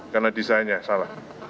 karena desainnya salah